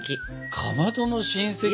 かまどの親戚で？